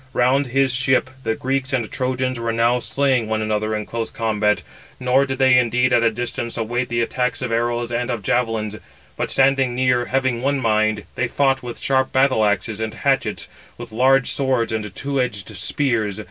Round his ship the Greeks and Trojans were now slaying one another in close combat; nor did they indeed at a distance await the attacks of arrows and of javelins, but standing near, having one mind, they fought with sharp battle axes and hatchets, with large swords and two edged spears.